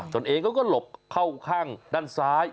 ตัวเองเขาก็หลบเข้าข้างด้านซ้าย